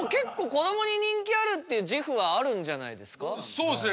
そうですね。